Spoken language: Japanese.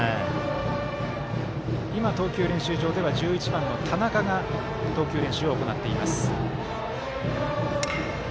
今、投球練習場では１１番の田中が投球練習を行っています。